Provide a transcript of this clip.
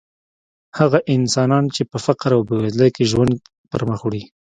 هغه انسانان چې په فقر او بېوزلۍ کې ژوند پرمخ وړي.